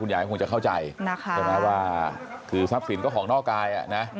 คุณใหญ่คงจะเข้าใจคือทรัพย์ศิลป์ก็ของนอกกาย